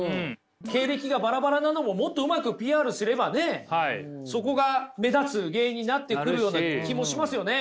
経歴がバラバラなのももっとうまくＰＲすればねそこが目立つ芸になってくるような気もしますよね！